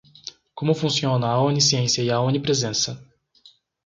Como funciona a onisciência e a onipresença